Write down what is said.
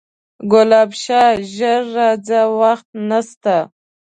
ګلاب شاه ژر راځه وخت نسته